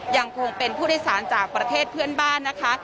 ยังคงเป็นผู้โดยสารจากประเทศเพื่อนบ้านนะคะ